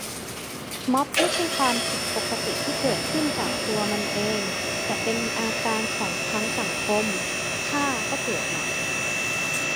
ม็อบไม่ใช่ความผิดปกติที่เกิดขึ้นจากตัวมันเอง แต่เป็นอาการของทั้งสังคม ฆ่าก็เกิดใหม่